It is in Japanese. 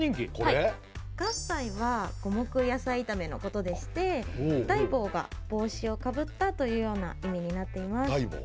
はい合菜は五目野菜炒めのことでして戴帽が帽子かぶったというような意味になっています